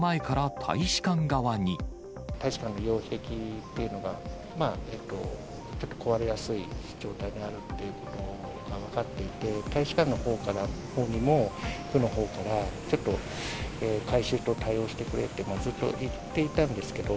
大使館の擁壁っていうのが、ちょっと壊れやすい状態にあるのが分かっていて、大使館のほうにも、区のほうから、ちょっと改修等対応してくれって、もうずっと言っていたんですけど。